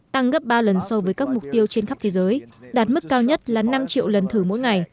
tăng gấp ba lần so với các mục tiêu trên khắp thế giới đạt mức cao nhất là năm triệu lần thử mỗi ngày